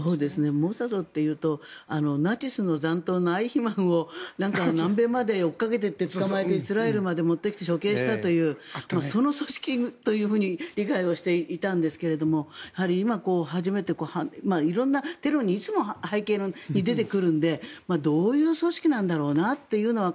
モサドというとナチスの残党のアイヒマンを南米まで追いかけていって捕まえてイスラエルまで持ってきて処刑したというその組織というふうに理解をしていたんですけれども色んなテロにいつも背景に出てくるのでどういう組織なんだろうなというのは。